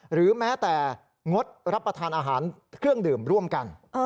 หรือแม้แต่งดรับประทานอาหารเครื่องดื่มร่วมกัน